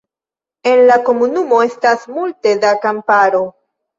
En la komunumo estas multe da kamparo.